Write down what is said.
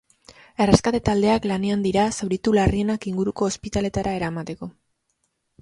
Erreskate taldeak lanean dira zauritu larrienak inguruko ospitaleetara eramateko.